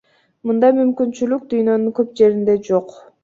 Мындай мүмкүнчүлүк дүйнөнүн көп жеринде жок.